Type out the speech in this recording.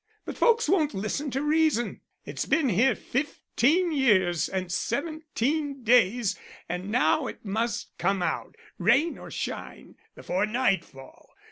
But folks won't listen to reason. It's been here fifteen years and seventeen days and now it must come out, rain or shine, before night fall.